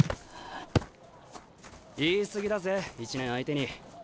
言い過ぎだぜ１年相手に。